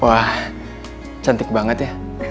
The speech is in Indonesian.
wah cantik banget ya